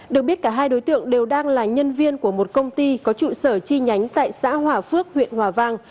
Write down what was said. được biết cả hai đối tượng đều đang là nhân viên của một công ty có trụ sở chi nhánh tại xã hòa phước huyện hòa vang